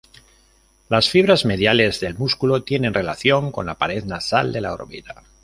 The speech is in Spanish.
Las fibras mediales del músculo tiene relación con la pared nasal de la órbita.